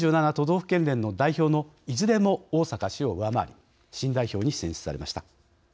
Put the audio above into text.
府県連の代表のいずれも逢坂氏を上回り新代表に選出されました。